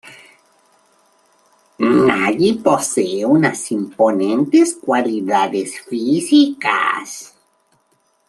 Nagy posee unas imponentes cualidades físicas.